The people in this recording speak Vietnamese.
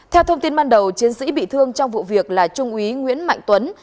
theo thông tin ban đầu chiến sĩ bị thương trong vụ việc là trung úy nguyễn mạnh tuấn